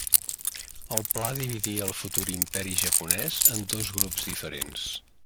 El pla dividia el futur Imperi Japonés en dos grups diferents.